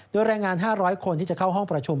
โดยแรงงาน๕๐๐คนที่จะเข้าห้องประชุม